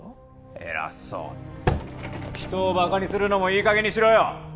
偉そうに人をバカにするのもいい加減にしろよ！